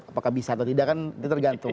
apakah bisa atau tidak kan ini tergantung